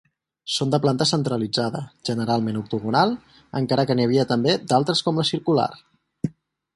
Són de planta centralitzada, generalment octogonal, encara que n'hi havia també d'altres com la circular.